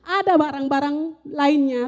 ada barang barang lainnya